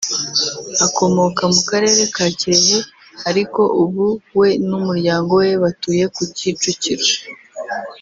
akomoka mu Karere ka Kirehe ariko ubu we n’umuryango we batuye ku Kicukiro